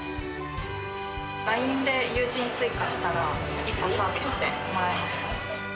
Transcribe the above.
ＬＩＮＥで友人追加したら、１個サービスでもらいました。